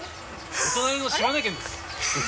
お隣の島根県です。